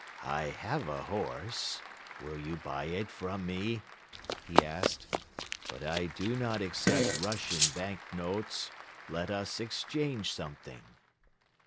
"I have a horse. Will you buy it from me?" he asked. "But I do not accept Russian bank notes. Let us exchange something."